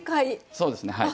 そうですねはい。